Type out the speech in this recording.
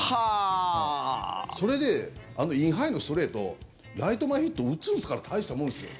それであのインハイのストレートライト前ヒット打つんですから大したもんですよ。